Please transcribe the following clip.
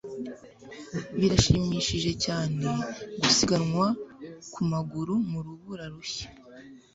Birashimishije cyane gusiganwa ku maguru mu rubura rushya.